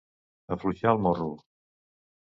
Afluixar el morro.